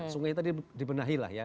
sungai tadi dibenahi lah ya